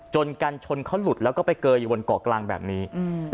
กันชนเขาหลุดแล้วก็ไปเกยอยู่บนเกาะกลางแบบนี้